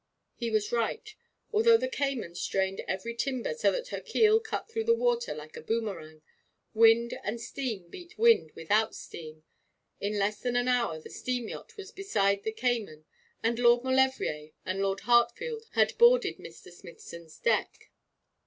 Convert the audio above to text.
He was right. Although the Cayman strained every timber so that her keel cut through the water like a boomerang, wind and steam beat wind without steam. In less than an hour the steam yacht was beside the Cayman, and Lord Maulevrier and Lord Hartfield had boarded Mr. Smithson's deck.